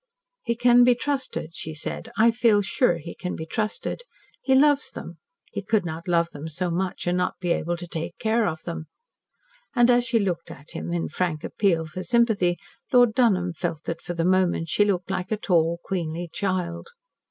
"He can be trusted," she said. "I feel sure he can be trusted. He loves them. He could not love them so much and not be able to take care of them." And as she looked at him in frank appeal for sympathy, Lord Dunholm felt that for the moment she looked like a tall, queenly child.